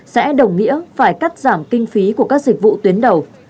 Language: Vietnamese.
sẽ đồng nghĩa phải cắt giảm kinh phí của các dịch vụ tuyến đầu